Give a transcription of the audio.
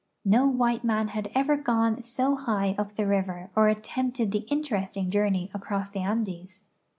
No white man had ever gone so high u[) the river or attempted the interesting journey across the Andes.